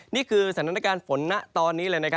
นี่คือสถานการณ์ฝนนะตอนนี้เลย